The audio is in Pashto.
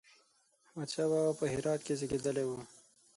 احمد شاه بابا په هرات کې زېږېدلی و